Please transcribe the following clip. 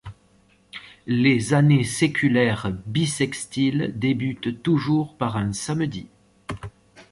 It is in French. Les années séculaires bissextiles débutent toujours par un samedi.